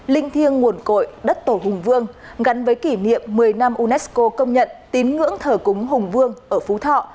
linh thiêng nguồn cội đất tổ hùng vương gắn với kỷ niệm một mươi năm unesco công nhận tín ngưỡng thờ cúng hùng vương ở phú thọ